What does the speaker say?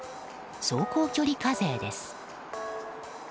走行距離課税です。